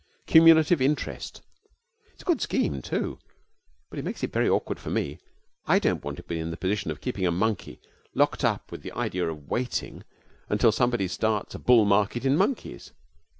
Cumulative interest. It's a good scheme, too, but it makes it very awkward for me. I don't want to be in the position of keeping a monkey locked up with the idea of waiting until somebody starts a bull market in monkeys.